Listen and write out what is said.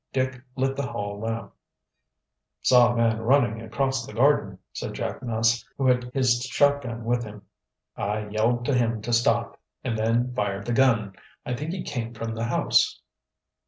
Dick lit the hall lamp. "Saw a man running across the garden," said Jack Ness, who had his shot gun with him. "I yelled to him to stop, and then fired the gun. I think he came from the house."